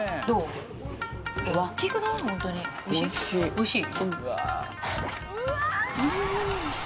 おいしい。